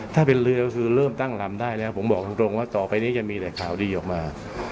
ถ้าเป็นเรือก็คือเริ่มตั้งลำได้แล้วผมบอกตรงว่าต่อไปนี้จะมีแต่ข่าวดีออกมา